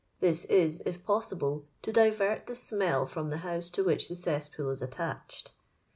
This is, if possible, to divert the smell from the house to wluch the cesspool is attached.